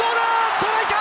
トライか？